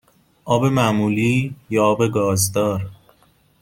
آب معمولی یا آب گازدار؟